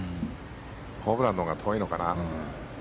ホブランのほうが遠いのかな。